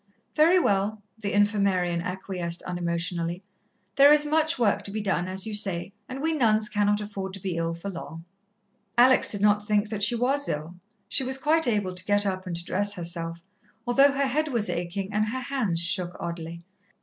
"Very well," the Infirmarian acquiesced unemotionally. "There is much work to be done, as you say, and we nuns cannot afford to be ill for long." Alex did not think that she was ill she was quite able to get up and to dress herself, although her head was aching and her hands shook oddly.